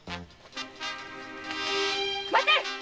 待て。